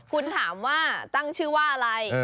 คุณถามว่าตั้งชื่อว่าอะไร